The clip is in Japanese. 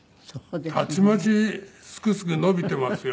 たちまちすくすく伸びていますよ。